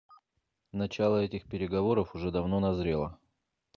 Начало этих переговоров уже давно назрело.